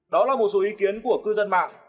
đó là một số ý kiến của cư dân mạng